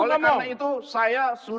oleh karena itu saya sudah cukup